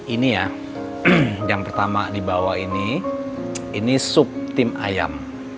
ini ya yang pertama dibawa ini ini sup tim ayam